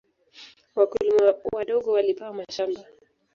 Wakulima wadogo walipewa mashamba.